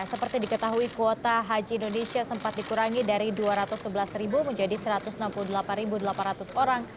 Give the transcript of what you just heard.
seperti diketahui kuota haji indonesia sempat dikurangi dari dua ratus sebelas menjadi satu ratus enam puluh delapan delapan ratus orang